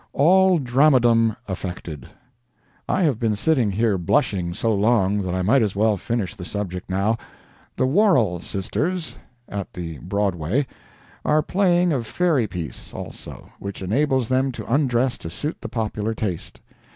ALL DRAMADOM AFFECTED I have been sitting here blushing so long that I might as well finish the subject, now. The Worrell Sisters, (at the Broadway) are playing a fairy piece, also, which enables them to undress to suit the popular taste.